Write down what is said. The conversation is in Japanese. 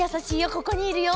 ここにいるよ！